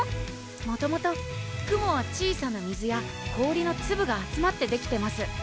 もともと雲は小さな水や氷の粒が集まってできてます